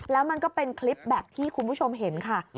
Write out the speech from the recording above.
แล้วมันก็เป็นคลิปแบบที่คุณผู้ชมเห็นค่ะ